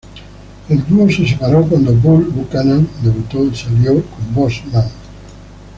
El dúo se separó cuando Bull Buchanan debutó y se alió con Boss Man.